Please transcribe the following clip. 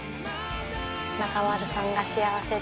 中丸さんが幸せで。